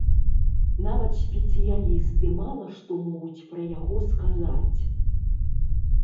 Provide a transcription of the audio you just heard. Нават спецыялісты мала што могуць пра яго сказаць.